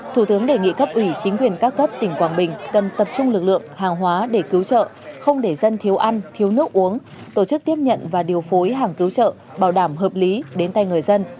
thủ tướng đề nghị cấp ủy chính quyền các cấp tỉnh quảng bình cần tập trung lực lượng hàng hóa để cứu trợ không để dân thiếu ăn thiếu nước uống tổ chức tiếp nhận và điều phối hàng cứu trợ bảo đảm hợp lý đến tay người dân